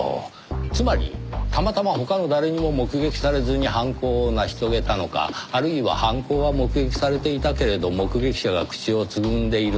つまりたまたま他の誰にも目撃されずに犯行を成し遂げたのかあるいは犯行は目撃されていたけれど目撃者が口をつぐんでいるのか。